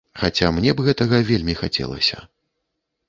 Хаця мне б гэтага вельмі хацелася.